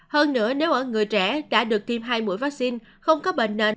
hơn nữa nếu ở người trẻ đã được tiêm hai mũi vaccine không có bệnh nền